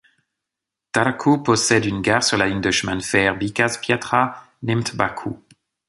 Tarcău possède une gare sur la ligne de chemin de fer Bicaz-Piatra Neamț-Bacău.